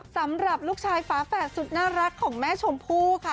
สำหรับลูกชายฝาแฝดสุดน่ารักของแม่ชมพู่ค่ะ